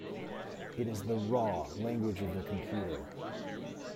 It is the raw language of the computer.